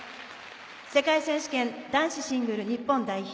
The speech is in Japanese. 世界選手権男子シングル日本代表